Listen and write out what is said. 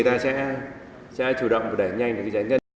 tức là giao quyền